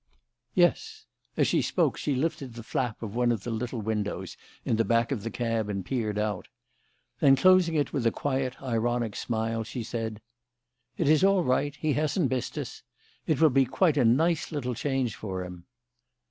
"Yes." As she spoke, she lifted the flap of one of the little windows in the back of the cab and peered out. Then, closing it with a quiet, ironic smile, she said: "It is all right; he hasn't missed us. It will be quite a nice little change for him."